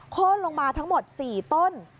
โค้นลงมาทั้งหมด๔ต้น